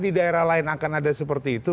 di daerah lain akan ada seperti itu